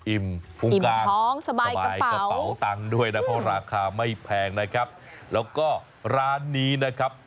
พุงกลางสบายกระเป๋าตังค์ด้วยนะเพราะราคาไม่แพงนะครับแล้วก็ร้านนี้นะครับ